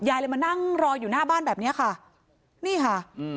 ยายเลยมานั่งรออยู่หน้าบ้านแบบเนี้ยค่ะนี่ค่ะอืม